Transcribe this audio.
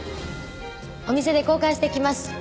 お店で交換してきます。